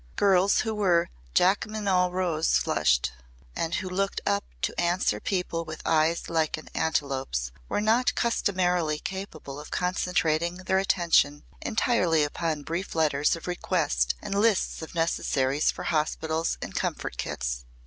Girls who were Jacqueminot rose flushed and who looked up to answer people with eyes like an antelope's were not customarily capable of concentrating their attention entirely upon brief letters of request and lists of necessaries for hospitals and comfort kits.